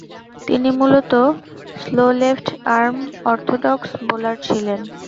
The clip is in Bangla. তিনি মূলতঃ স্লো লেফট-আর্ম অর্থোডক্স বোলার ছিলেন।